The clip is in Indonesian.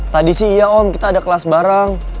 tadi sih iya om kita ada kelas barang